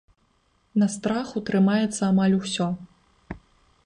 На страху трымаецца амаль усё.